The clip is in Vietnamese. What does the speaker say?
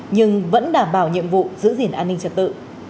nhưng vẫn đảm bảo nhiệm vụ giữ gìn an ninh trật tự